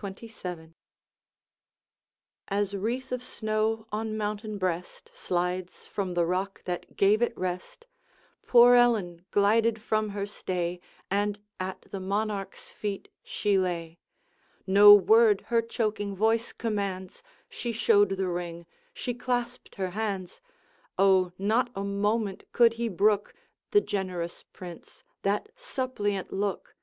XXVII. As wreath of snow on mountain breast Slides from the rock that gave it rest, Poor Ellen glided from her stay, And at the Monarch's feet she lay; No word her choking voice commands, She showed the ring, she clasped her hands. O, not a moment could he brook, The generous Prince, that suppliant look!